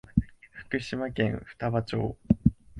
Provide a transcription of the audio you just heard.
福島県双葉町